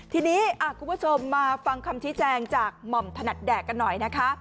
ทีนี้คุณผู้ชมมาฟังคำชี้แจงจากหม่อมถนัดแดกกันหน่อยนะคะ